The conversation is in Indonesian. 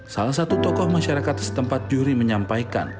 salah satu tokoh masyarakat setempat juri menyampaikan